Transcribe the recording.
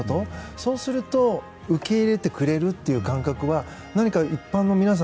そうすると受け入れてくれるという感覚は何か一般の皆さん